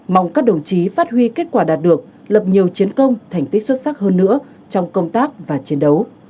mong các đồng chí phát huy kết quả đạt được lập nhiều chiến công thành tích xuất sắc hơn nữa trong công tác và chiến đấu